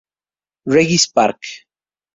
Regis Park.